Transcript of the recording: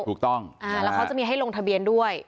ถูกต้องแล้วเขาจะมีให้ลงทะเบียนด้วย